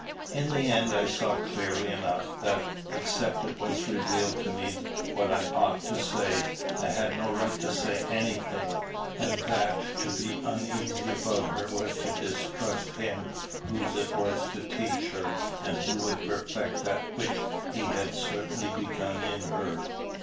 In the end I saw clearly enough, that, except it was revealed to me what I ought to say, I had no right to say any thing; and that to be uneasy about her was to distrust Him whose it was to teach her, and who would perfect that which he had certainly begun in her.